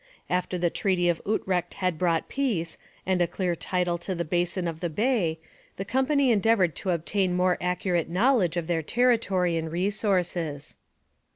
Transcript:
After the Treaty of Utrecht had brought peace and a clear title to the basin of the bay, the company endeavoured to obtain more accurate knowledge of their territory and resources.